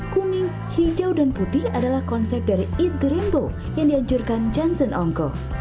kuning hijau dan putih adalah konsep dari eat the rimbo yang dianjurkan johnson ongko